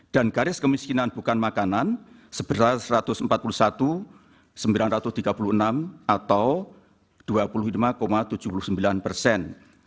dan garis kemiskinan bukan makanan sebesar satu ratus empat puluh satu sembilan ratus tiga puluh enam atau dua puluh lima tujuh puluh sembilan persen